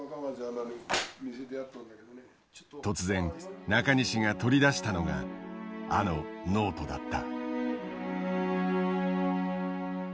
突然中西が取り出したのがあのノートだった。